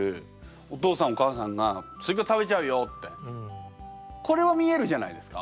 お父さんお母さんが「スイカ食べちゃうよ」って。これは見えるじゃないですか。